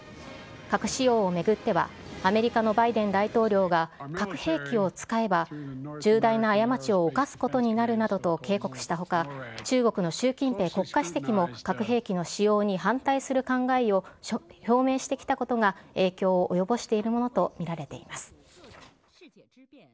核使用を巡っては、アメリカのバイデン大統領が、核兵器を使えば、重大な過ちを犯すことになるなどと警告したほか、中国の習近平国家主席も核兵器の使用に反対する考えを表明してきたことが影響を及ぼしているものと見られています。